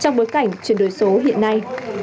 trong bối cảnh chuyển đổi số hiện nay